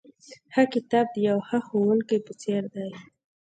ښه کتاب د یوه ښه ښوونکي په څېر دی.